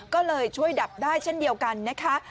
ก็เลยช่วยดับได้เช่นเดียวกันนะคะ